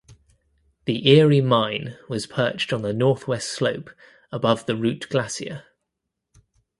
The Erie mine was perched on the northwest slope above the Root Glacier.